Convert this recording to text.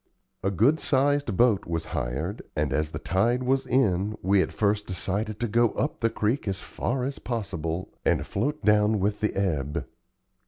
A good sized boat was hired, and, as the tide was in, we at first decided to go up the creek as far as possible and float down with the ebb.